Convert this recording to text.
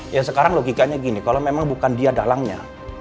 ya sekarang logikanya gini kalau memang bukan dia dalangnya